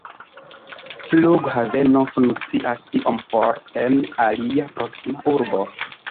Flughaveno funkcias iom for en alia proksima urbo.